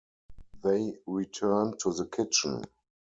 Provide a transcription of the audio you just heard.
They returned to the kitchen.